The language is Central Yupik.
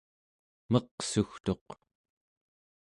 meqsugtuq